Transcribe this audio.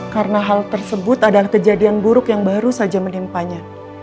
karena hal tersebut adalah kejadian buruk yang baru saja menimpanya